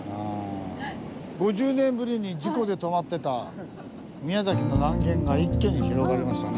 ５０年ぶりに事故で止まってた宮崎の南限が一挙に広がりましたね。